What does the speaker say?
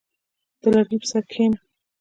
• د لرګي پر سر کښېنه.